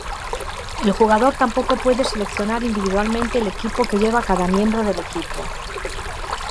El jugador tampoco puede seleccionar individualmente el equipo que lleva cada miembro del equipo.